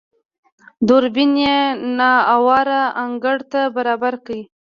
دوربين يې نااواره انګړ ته برابر کړ.